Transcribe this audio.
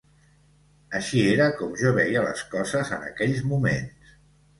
Així era com jo veia les coses en aquells moments